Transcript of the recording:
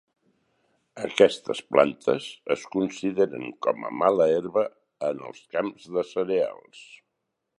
Aquestes plantes es consideren com a mala herba en els camps de cereals.